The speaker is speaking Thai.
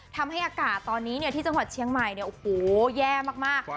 ทำให้อากาศตอนนี้ที่จังหวัดเชียงใหม่เนี่ยโอ้โหแย่มาก